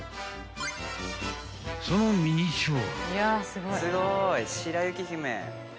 ［そのミニチュア］